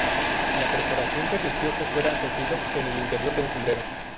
La perforación permitió que fuera cosido en el interior de un sombrero.